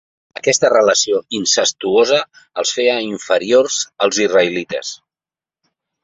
Aquesta relació incestuosa els feia inferiors als israelites.